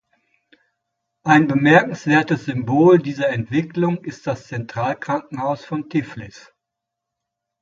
Ein bemerkenswertes Symbol dieser Entwicklung ist das Zentralkrankenhaus von Tiflis.